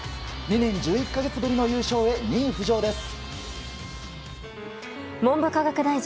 ２年１１か月ぶりの優勝へ２位浮上です。